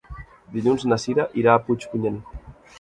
Dilluns na Cira irà a Puigpunyent.